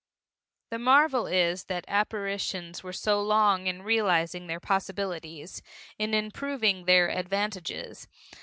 The marvel is that apparitions were so long in realizing their possibilities, in improving their advantages.